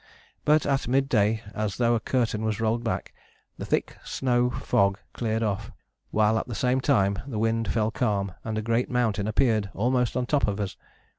But at mid day as though a curtain was rolled back, the thick snow fog cleared off, while at the same time the wind fell calm, and a great mountain appeared almost on the top of us.